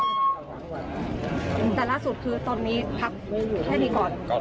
แต่ล่าสุดคือตอนนี้พักอยู่แค่นี้ก่อน